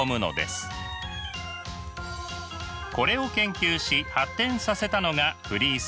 これを研究し発展させたのがフリース。